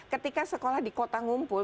ketika sekolah di kota ngumpul